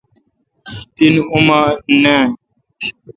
تین اوما ناین۔